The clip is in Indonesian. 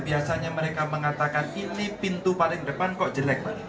biasanya mereka mengatakan ini pintu paling depan kok jelek itulah baik hatinya pak jokowi